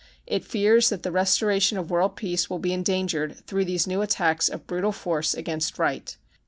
It fears that the restoration of world peace will be endangered through these new attacks of brutal force against right."